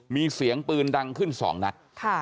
มีเสียงปืนดังขึ้น๒นัด